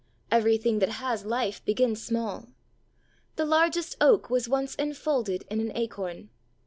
Everything that has life begins small. The largest oak was once enfolded in an acorn.